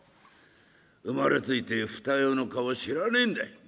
生まれついて二親の顔知らねえんだい」。